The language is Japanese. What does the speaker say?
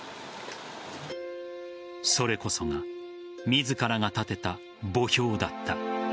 それこそが自らが建てた墓標だった。